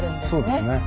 そうですね。